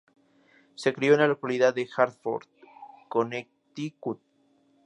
Se crio en la localidad de Hartford, Connecticut.